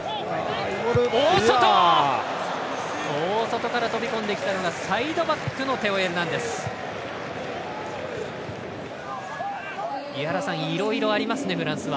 大外から飛び込んできたのがサイドバックのテオ・エルナンデス。